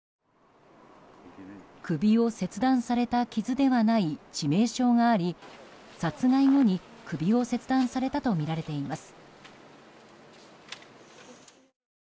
首を切断された傷ではない致命傷があり殺害後に首を切断されたとみられています。